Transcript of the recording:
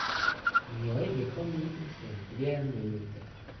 Měli bychom mít už jen dvě minuty.